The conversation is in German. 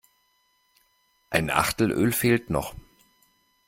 Ein Achtel Öl fehlt noch.